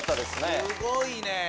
すごいね。